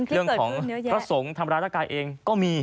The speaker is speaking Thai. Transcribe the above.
เรื่องของกระสงค์ทำร้ายละกายเองก็มี